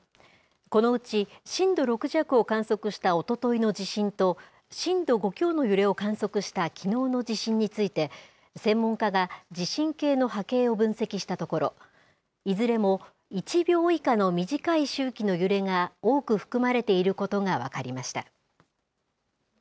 このうち震度６弱を観測したおとといの地震と、震度５強の揺れを観測したきのうの地震について、専門家が地震計の波形を分析したところ、いずれも１秒以下の短い周期の揺れが多く含まれていることが分かりました。